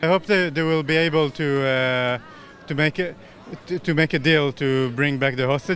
saya berharap mereka akan dapat membuat perjanjian untuk membawa balasan kembali